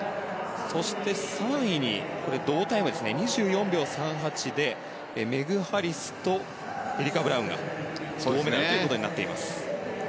そして、３位に同タイムですね、２４秒３８でメグ・ハリスとエリカ・ブラウンが銅メダルとなっています。